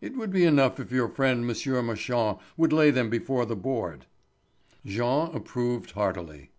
It would be enough if your friend M. Marchand would lay them before the board." Jean approved heartily.